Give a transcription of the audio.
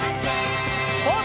ポーズ！